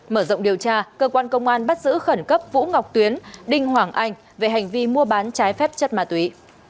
mở rộng điều tra cơ quan công an bắt giữ khẩn cấp vũ ngọc tuyến đinh hoàng anh về hành vi mua bán trái phép chất ma túy